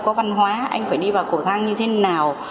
có văn hóa anh phải đi vào cổ thang như thế nào